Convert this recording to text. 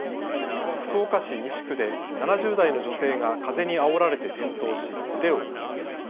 福岡市西区で７０代の女性が風にあおられて転倒し腕を骨折。